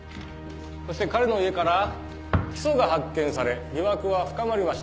そして彼の家からヒ素が発見され疑惑は深まりました。